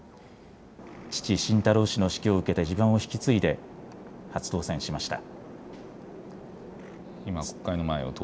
父、晋太郎氏の指揮を受けて地盤を引き継いで初当選しました。